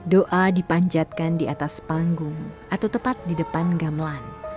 doa dipanjatkan di atas panggung atau tepat di depan gamelan